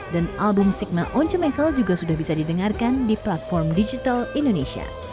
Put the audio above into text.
dan album sigma onca michael juga sudah bisa didengarkan di platform digital indonesia